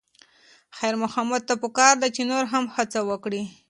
خیر محمد ته پکار ده چې نور هم هڅه وکړي.